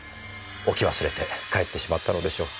置き忘れて帰ってしまったのでしょう。